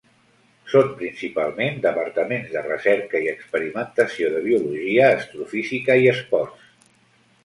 Són principalment departaments de recerca i experimentació de biologia, astrofísica i esports.